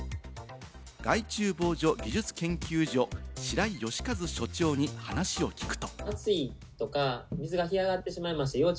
害虫防除技術研究所・白井良和所長に話を聞くと。